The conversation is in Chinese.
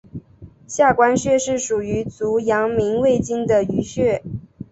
下关穴是属于足阳明胃经的腧穴。